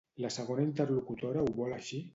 La segona interlocutora ho vol així?